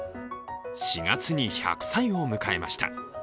４月に１００歳を迎えました。